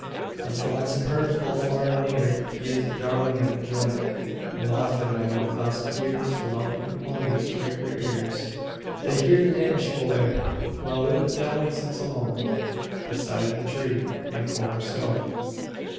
Of flocks and herds both far and near He is the darling and the joy, And often, when no cause appears, The mountain ponies prick their ears, They hear the Danish Boy, While in the dell he sits alone Beside the tree and corner stone.